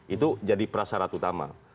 itu jadi prasyarat utama